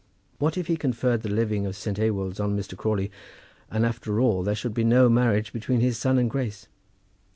What if he conferred the living of St. Ewolds on Mr. Crawley and after all there should be no marriage between his son and Grace?